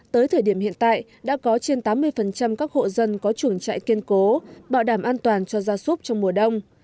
tới thời điểm hiện tại đã có trên tám mươi các hộ dân có chuồng trại kiên cố bảo đảm an toàn cho gia súc trong mùa đông